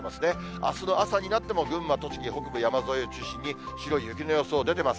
あすの朝になっても群馬、栃木北部山沿いを中心に、白い雪の予想出てます。